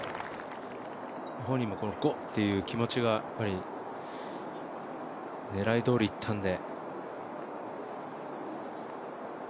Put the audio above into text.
本人も、ゴーという気持ちが狙いどおりいったんで。